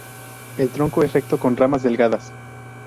El tronco es recto con ramas delgadas.